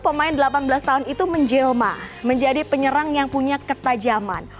pemain delapan belas tahun itu menjelma menjadi penyerang yang punya ketajaman